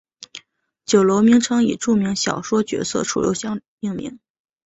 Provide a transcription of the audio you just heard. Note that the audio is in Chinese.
酒楼名称以著名小说角色楚留香命名。